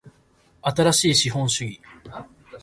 新しい資本主義